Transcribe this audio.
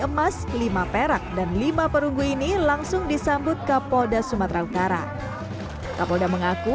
emas lima perak dan lima perunggu ini langsung disambut kapolda sumatera utara kapolda mengaku